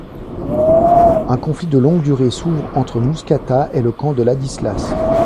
Un conflit de longue durée s’ouvre entre Muskata et le camp de Ladislas.